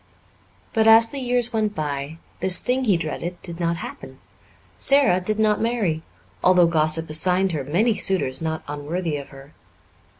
But, as the years went by, this thing he dreaded did not happen. Sara did not marry, although gossip assigned her many suitors not unworthy of her.